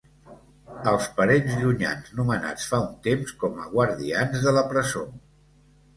Els parents llunyans nomenats fa un temps com a guardians de la presó.